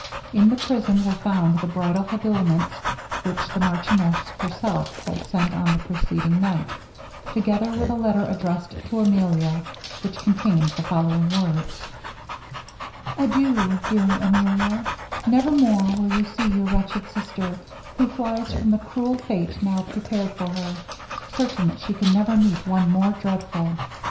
In the prison were found the bridal habiliments which the marchioness herself had sent on the preceding night, together with a letter addressed to Emilia, which contained the following words: 'Adieu, dear Emilia; never more will you see your wretched sister, who flies from the cruel fate now prepared for her, certain that she can never meet one more dreadful.